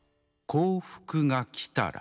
「『幸福』がきたら」。